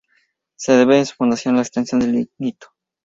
Se debe su fundación a la extracción de lignito.